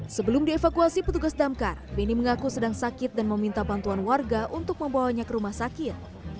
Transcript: sebelum dievakuasi petugas damkar beni mengaku sedang sakit dan meminta bantuan warga untuk membawanya ke rumah sakit